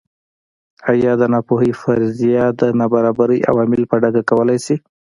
ایا د ناپوهۍ فرضیه د نابرابرۍ عوامل په ډاګه کولای شي.